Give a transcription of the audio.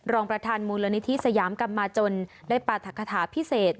รองประธานมูลนิธิสยามกรรมมาจนได้ปราธกคาถาพิเศษ